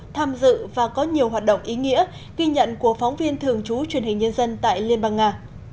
tham dự và có nhiều hoạt động ý nghĩa ghi nhận của phóng viên thường trú truyền hình nhân dân tại liên bang nga